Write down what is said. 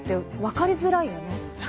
分かりづらいよね。